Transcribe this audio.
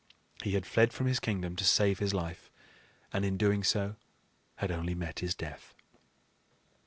He had fled from his kingdom to save his life, and in doing so had only met his death.